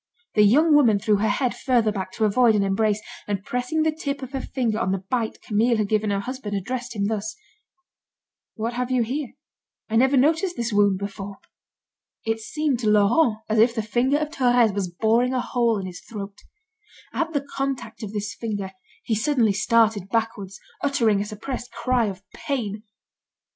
The young woman threw her head further back, to avoid an embrace, and pressing the tip of her finger on the bite Camille had given her husband, addressed him thus: "What have you here? I never noticed this wound before." It seemed to Laurent as if the finger of Thérèse was boring a hole in his throat. At the contact of this finger, he suddenly started backward, uttering a suppressed cry of pain.